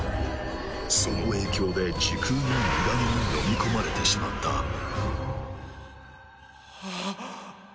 その影響で時空のゆがみに飲み込まれてしまったはぁ。